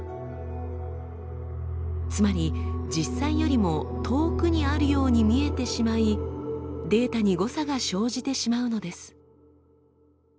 つまり実際よりも遠くにあるように見えてしまいデータに誤差が生じてしまうのです。